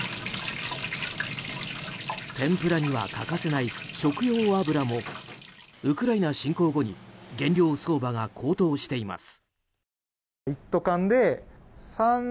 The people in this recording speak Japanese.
天ぷらには欠かせない食用油もウクライナ侵攻後に原料相場が高騰しています。